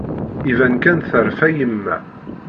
Iban kan terfa yemma.